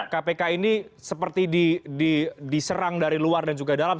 kpk ini seperti diserang dari luar dan juga dalam